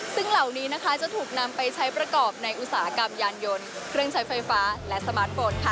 ซึ่งเหล่านี้นะคะจะถูกนำไปใช้ประกอบในอุตสาหกรรมยานยนต์เครื่องใช้ไฟฟ้าและสมาร์ทโฟนค่ะ